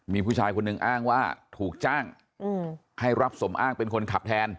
มีผู้ชายคนหนึ่งอ้างว่าถูกจ้างให้รับสมอ้างเป็นคนขับแทน